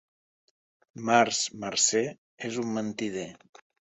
Març, marcer, és un mentider.